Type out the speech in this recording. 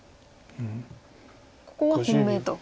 ここは本命と。